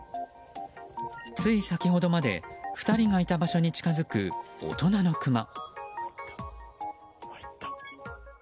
つい先ほどまで２人がいた場所に近づく、大人のクマ。